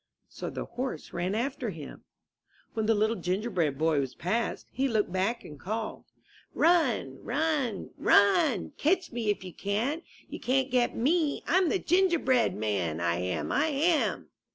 *' So the horse ran after him. 124 I N THE NURSERY When the Little Gingerbread Boy was past, he looked back and called: '^Run! Run! Run! Catch me if you can! You can't get me! Tm the Gingerbread Man, I am! I am!"